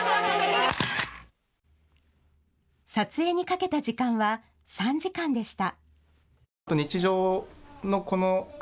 撮影にかけた時間は３時間でした。